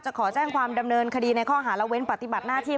ขอแจ้งความดำเนินคดีในข้อหาละเว้นปฏิบัติหน้าที่